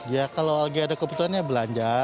ya kalau lagi ada kebutuhan ya belanja